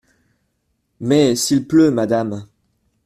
Mais… s’il pleut, madame ?